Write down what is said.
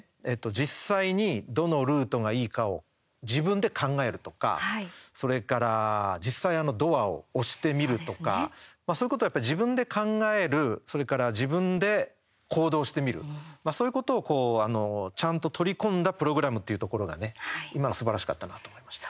実際にどのルートがいいかを自分で考えるとか、それから実際ドアを押してみるとかそういうことを自分で考えるそれから自分で行動してみるそういうことをちゃんと取り込んだプログラムというところがね、今のすばらしかったなと思いました。